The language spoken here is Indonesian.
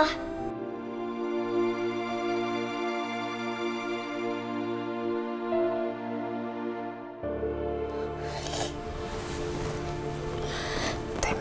aku sudah mampu